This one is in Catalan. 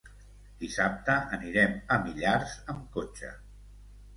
Dissabte anirem a Millars amb cotxe.